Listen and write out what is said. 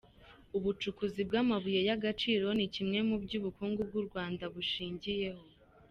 Ubucukuzi bw’amabuye y’agaciro ni kimwe mu byo ubukungu bw’u Rwanda bushingiyeho.